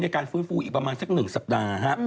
การฟื้นฟูอีกประมาณสัก๑สัปดาห์